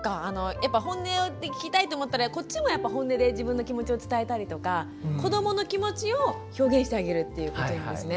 やっぱホンネで聞きたいと思ったらこっちもホンネで自分の気持ちを伝えたりとか子どもの気持ちを表現してあげるっていうことなんですね。